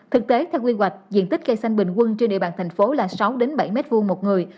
thực tế theo quy hoạch diện tích cây xanh bình quân trên địa bàn thành phố là sáu bảy m hai một người